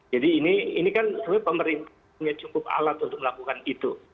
jadi ini kan pemerintah punya cukup alat untuk melakukan itu